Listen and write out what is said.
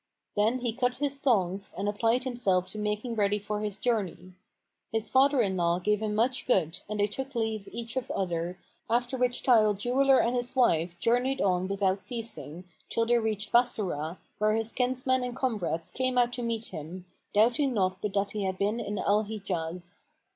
Then he cut his thongs[FN#474] and applied himself to making ready for his journey. His father in law gave him much good and they took leave each of other, after which tile jeweller and his wife journeyed on without ceasing, till they reached Bassorah where his kinsmen and comrades came out to meet him, doubting not but that he had been in Al Hijaz.